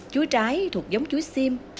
chuối trái thuộc giống chuối xiêm